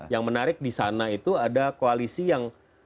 yang menarik di sana itu ada koalisi yang